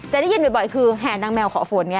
ได้ยินบ่อยคือแห่นางแมวขอฝนไง